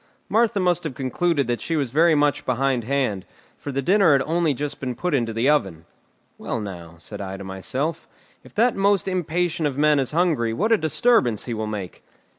Martha must have concluded that she was very much behindhand, for the dinner had only just been put into the oven. "Well, now," said I to myself, "if that most impatient of men is hungry, what a disturbance he will make!"